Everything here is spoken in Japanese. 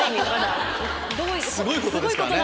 すごいことですからね。